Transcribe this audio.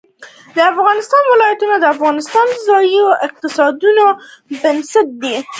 د افغانستان ولايتونه د افغانستان د ځایي اقتصادونو بنسټ دی.